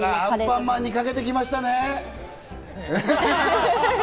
アンパンマにかけてきましたね？